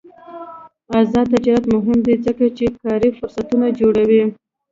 آزاد تجارت مهم دی ځکه چې کاري فرصتونه جوړوي.